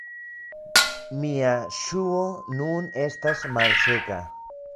Mia ŝuo nun estas malseka